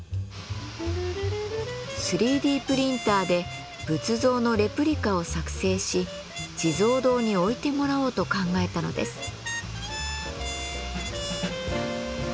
３Ｄプリンターで仏像のレプリカを作成し地蔵堂に置いてもらおうと考えたのです。